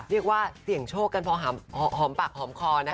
เรียกว่าเสี่ยงโชคกันพอหอมปากหอมคอนะคะ